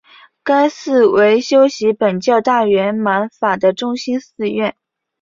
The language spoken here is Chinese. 该寺为修习苯教大圆满法的中心寺院。